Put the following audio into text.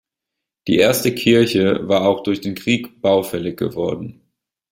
Die erste Kirche war auch durch den Krieg baufällig geworden.